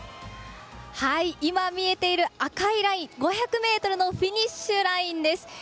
今、見えている赤いライン５００ｍのフィニッシュラインです。